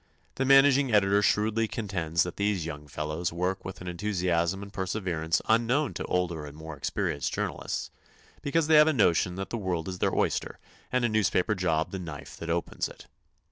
The managing editor shrewdly contends that these young fellows work with an enthusiasm and perseverance unknown to older and more experienced journalists, because they have a notion that the world is their oyster and a newspaper job the knife that opens it.